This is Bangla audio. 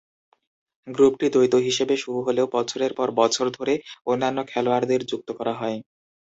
গ্রুপটি দ্বৈত হিসেবে শুরু হলেও, বছরের পর বছর ধরে অন্যান্য খেলোয়াড়দের যুক্ত করা হয়।